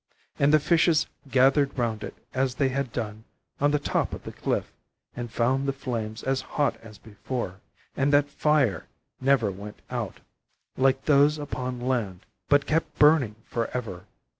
And the fishes gathered round it as they had done on the top of the cliff, and found the flames as hot as before, and that fire never went out, like those upon land, but kept burning for ever.